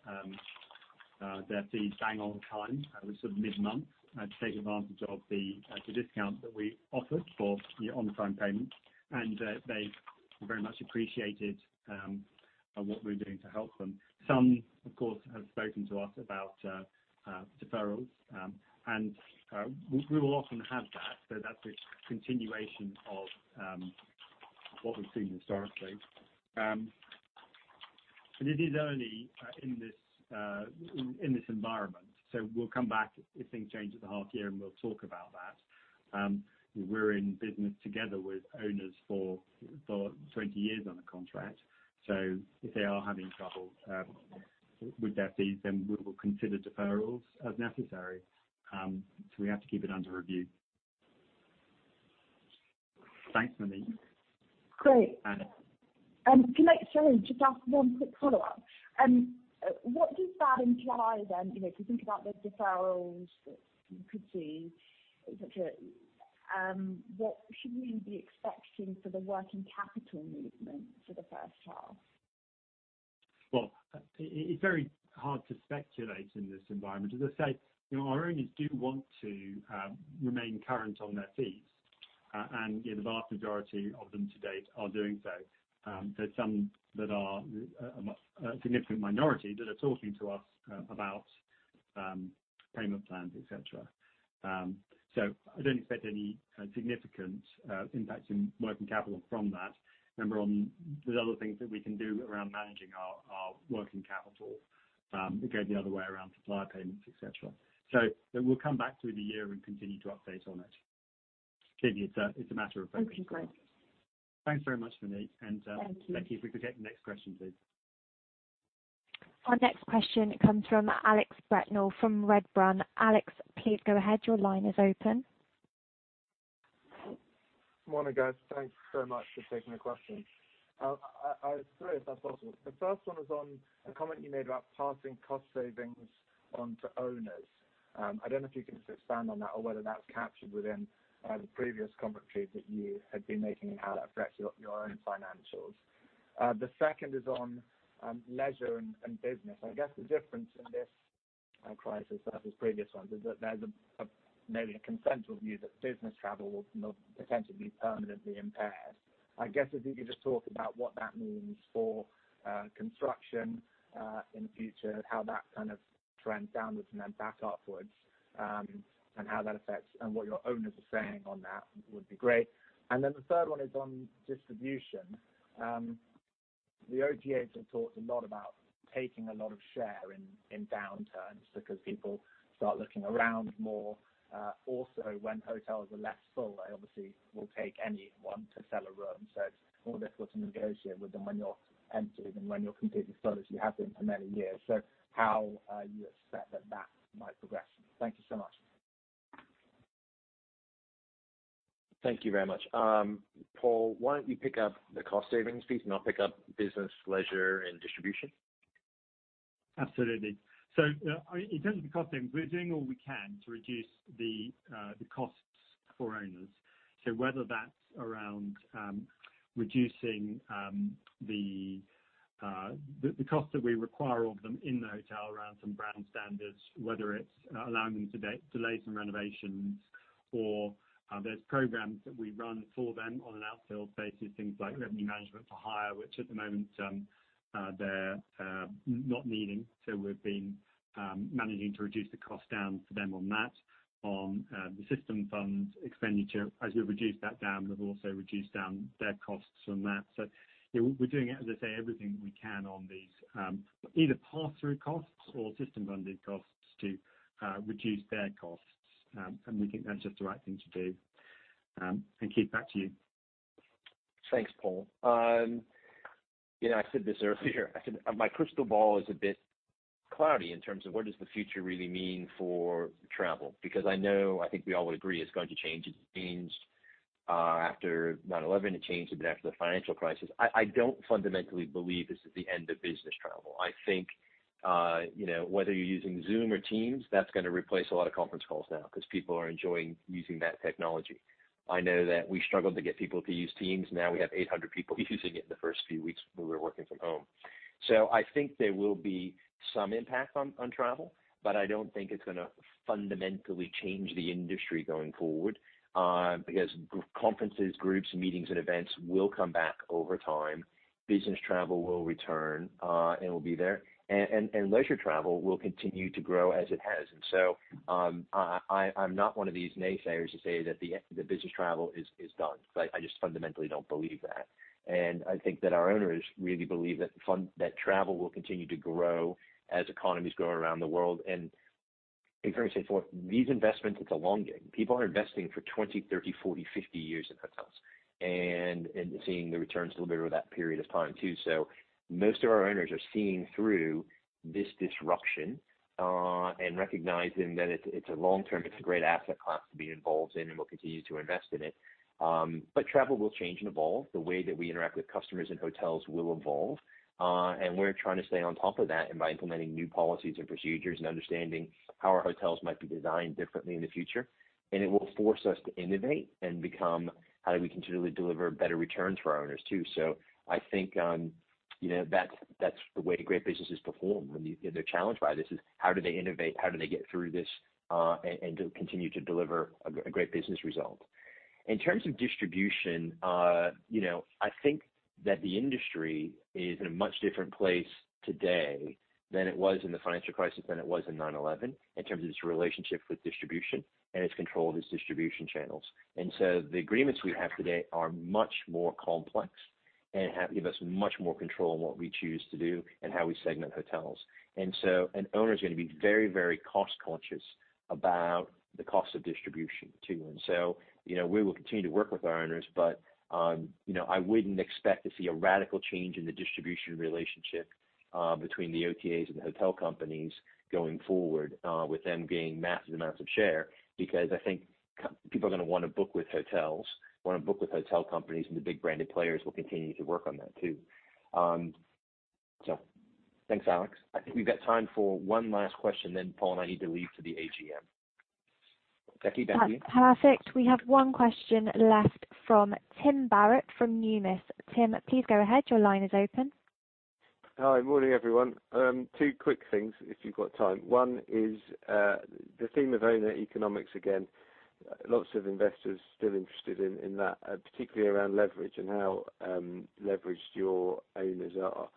fees bang on time. It was mid-month to take advantage of the discount that we offered for on-time payments, and they very much appreciated what we were doing to help them. Some, of course, have spoken to us about deferrals, and we will often have that. That's a continuation of what we've seen historically. It is early in this environment, we'll come back if things change at the half year and we'll talk about that. We're in business together with owners for 20 years on a contract. If they are having trouble with their fees, then we will consider deferrals as necessary. We have to keep it under review. Thanks, Monique. Sorry, just ask one quick follow-up. What does that imply then, if you think about the deferrals that you could see, et cetera, what should we be expecting for the working capital movement for the first half? It's very hard to speculate in this environment. As I say, our owners do want to remain current on their fees, and the vast majority of them to date are doing so. There's some that are a significant minority, that are talking to us about payment plans, et cetera. I don't expect any significant impact in working capital from that. Remember, there's other things that we can do around managing our working capital. It can go the other way around supplier payments, et cetera. We'll come back through the year and continue to update on it. Clearly, it's a matter of focus. Okay, great. Thanks very much, Monique. Thank you. Becky, if we could get the next question, please. Our next question comes from Alex Brignall from Redburn. Alex, please go ahead. Your line is open. Morning, guys. Thanks so much for taking the questions. I have three, if that's possible. The first one is on a comment you made about passing cost savings on to owners. I don't know if you can expand on that or whether that's captured within the previous commentary that you had been making and how that affects your own financials. The second is on leisure and business. I guess the difference in this crisis versus previous ones is that there's maybe a consensual view that business travel will be potentially permanently impaired. I guess if you could just talk about what that means for construction in the future, how that kind of trends downwards and then back upwards, and how that affects and what your owners are saying on that would be great. The third one is on distribution. The OTAs have talked a lot about taking a lot of share in downturns because people start looking around more. Also, when hotels are less full, they obviously will take any one to sell a room. It's more difficult to negotiate with them when you're empty than when you're completely full, as you have been for many years. How you expect that that might progress? Thank you so much. Thank you very much. Paul, why don't you pick up the cost savings, please, and I'll pick up business, leisure, and distribution. Absolutely. In terms of the cost savings, we're doing all we can to reduce the costs for owners. Whether that's around reducing the cost that we require of them in the hotel around some brand standards, whether it's allowing them to delay some renovations or there's programs that we run for them on an outfield basis, things like revenue management for hire, which at the moment they're not needing. We've been managing to reduce the cost down for them on that. On the system funds expenditure, as we reduce that down, we've also reduced down their costs on that. We're doing, as I say, everything we can on these either pass-through costs or system-funded costs to reduce their costs. We think that's just the right thing to do. Keith, back to you. Thanks, Paul. I said this earlier, my crystal ball is a bit cloudy in terms of what does the future really mean for travel, because I know, I think we all would agree, it's going to change. It changed after 9/11. It changed a bit after the financial crisis. I don't fundamentally believe this is the end of business travel. I think whether you're using Zoom or Teams, that's going to replace a lot of conference calls now because people are enjoying using that technology. I know that we struggled to get people to use Teams. Now we have 800 people using it in the first few weeks when we were working from home. I think there will be some impact on travel, but I don't think it's going to fundamentally change the industry going forward, because conferences, groups, meetings, and events will come back over time. Business travel will return, and will be there. Leisure travel will continue to grow as it has. I'm not one of these naysayers to say that the business travel is done. I just fundamentally don't believe that. I think that our owners really believe that travel will continue to grow as economies grow around the world. In fairness, these investments, it's a long game. People are investing for 20, 30, 40, 50 years in hotels and seeing the returns a little bit over that period of time, too. Most of our owners are seeing through this disruption, and recognizing that it's a long term, it's a great asset class to be involved in, and we'll continue to invest in it. Travel will change and evolve. The way that we interact with customers in hotels will evolve. We're trying to stay on top of that and by implementing new policies and procedures and understanding how our hotels might be designed differently in the future. It will force us to innovate and become how do we continually deliver better returns for our owners, too. I think that's the way great businesses perform when they're challenged by this, is how do they innovate, how do they get through this, and to continue to deliver a great business result. In terms of distribution, I think that the industry is in a much different place today than it was in the financial crisis than it was in 9/11, in terms of its relationship with distribution and its control of its distribution channels. The agreements we have today are much more complex. Give us much more control on what we choose to do and how we segment hotels. An owner's going to be very, very cost-conscious about the cost of distribution too. We will continue to work with our owners, but I wouldn't expect to see a radical change in the distribution relationship between the OTAs and the hotel companies going forward, with them gaining massive amounts of share, because I think people are going to want to book with hotels, want to book with hotel companies, and the big branded players will continue to work on that too. Thanks, Alex. I think we've got time for one last question then, Paul, and I need to leave to the AGM. Becky, back to you. That's perfect. We have one question left from Tim Barrett from Numis. Tim, please go ahead. Your line is open. Hi. Morning, everyone. Two quick things, if you've got time. One is, the theme of owner economics again, lots of investors still interested in that, particularly around leverage and how leveraged your owners are.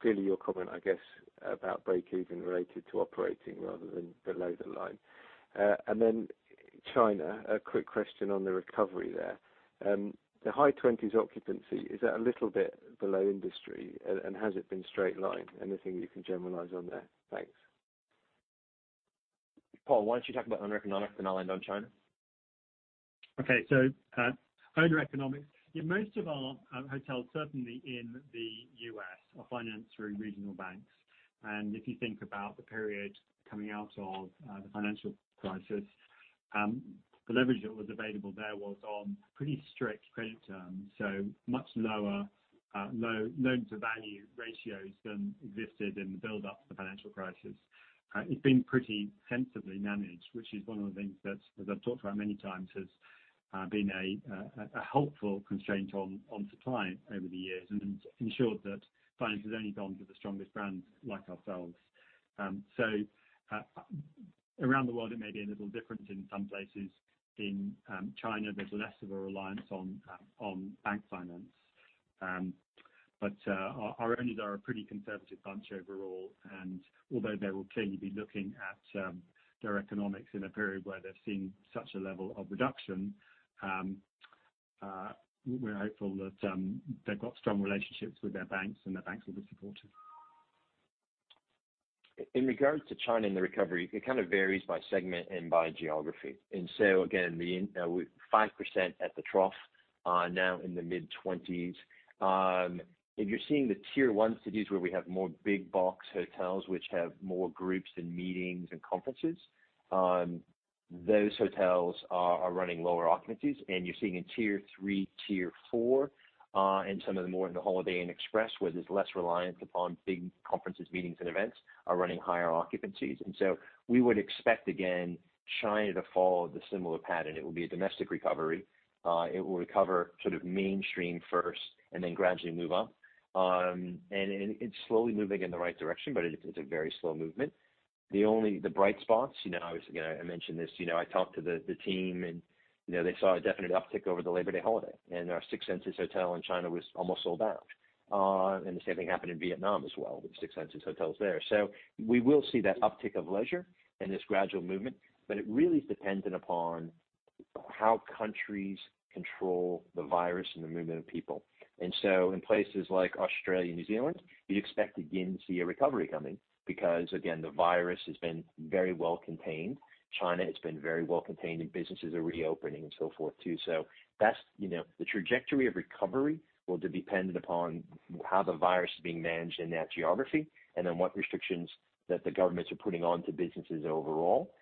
Clearly, your comment, I guess, about breakeven related to operating rather than below the line. China, a quick question on the recovery there. The high 20s occupancy, is that a little bit below industry? Has it been straight line? Anything you can generalize on there? Thanks. Paul, why don't you talk about owner economics, then I'll end on China. Owner economics. Most of our hotels, certainly in the U.S., are financed through regional banks. If you think about the period coming out of the financial crisis, the leverage that was available there was on pretty strict credit terms. Much lower loan-to-value ratios than existed in the buildup to the financial crisis. It's been pretty sensibly managed, which is one of the things that I've talked about many times, has been a helpful constraint on supply over the years and ensured that finance has only gone to the strongest brands like ourselves. Around the world, it may be a little different in some places. In China, there's less of a reliance on bank finance. Our owners are a pretty conservative bunch overall, and although they will clearly be looking at their economics in a period where they've seen such a level of reduction, we're hopeful that they've got strong relationships with their banks, and the banks will be supportive. In regards to China and the recovery, it kind of varies by segment and by geography. Again, we're 5% at the trough, now in the mid-20s. If you're seeing the Tier 1 cities where we have more big box hotels, which have more groups and meetings and conferences, those hotels are running lower occupancies. You're seeing in Tier 3, Tier 4, and some of the more in the Holiday Inn Express, where there's less reliance upon big conferences, meetings and events, are running higher occupancies. We would expect, again, China to follow the similar pattern. It will be a domestic recovery. It will recover sort of mainstream first and then gradually move up. It's slowly moving in the right direction, but it's a very slow movement. The bright spots, obviously, again, I mentioned this, I talked to the team, and they saw a definite uptick over the Labor Day holiday, and our Six Senses hotel in China was almost sold out. The same thing happened in Vietnam as well, with Six Senses hotels there. We will see that uptick of leisure and this gradual movement, but it really is dependent upon how countries control the virus and the movement of people. In places like Australia and New Zealand, you'd expect to begin to see a recovery coming because, again, the virus has been very well contained. China, it's been very well contained, and businesses are reopening and so forth, too. The trajectory of recovery will be dependent upon how the virus is being managed in that geography and then what restrictions that the governments are putting on to businesses overall.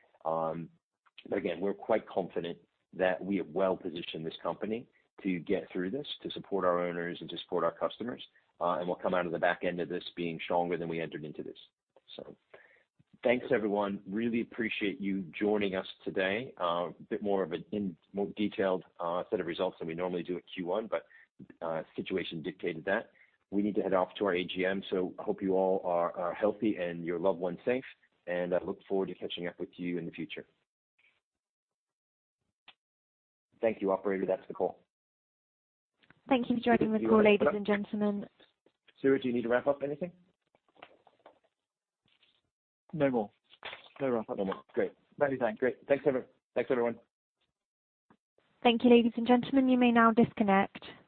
Again, we're quite confident that we have well-positioned this company to get through this, to support our owners and to support our customers. We'll come out of the back end of this being stronger than we entered into this. Thanks, everyone. Really appreciate you joining us today. A bit more of a detailed set of results than we normally do at Q1, but the situation dictated that. We need to head off to our AGM, so hope you all are healthy and your loved ones safe. I look forward to catching up with you in the future. Thank you, operator. That's the call. Thank you for joining the call, ladies and gentlemen. Stuart, do you need to wrap up anything? No more. No wrap up. No more. Great. Many thanks. Great. Thanks, everyone. Thank you, ladies and gentlemen. You may now disconnect.